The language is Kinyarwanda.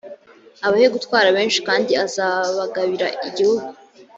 abahe gutwara benshi kandi azabagabira igihugu